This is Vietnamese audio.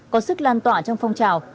có sức lan tỏa trong phong trào